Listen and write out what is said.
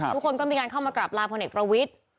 ทุกคนก็มีการเข้ามากราบลาพลเอกประวิทธิ์